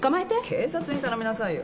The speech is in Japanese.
警察に頼みなさいよ。